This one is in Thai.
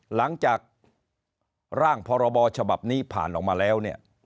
หลังจากร่างพรบฉบับนี้ผ่านออกมาแล้วเนี่ย